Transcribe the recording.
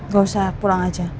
gak usah pulang aja